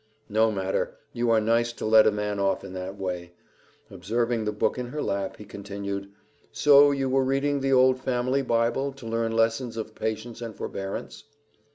"No matter. You are nice to let a man off in that way." Observing the book in her lap, he continued, "So you were reading the old family Bible to learn lessons of patience and forbearance?"